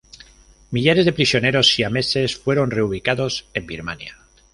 Millares de prisioneros siameses fueron reubicados en Birmania.